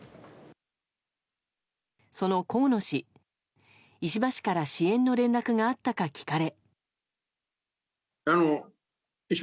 その河野氏、石破氏から支援の連絡があったか聞かれ。